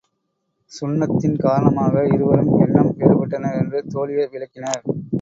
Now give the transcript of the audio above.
சுண்ணத்தின் காரணமாக இருவரும் எண்ணம் வேறுபட்டனர் என்று தோழியர் விளக்கினர்.